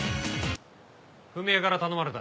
史江から頼まれた。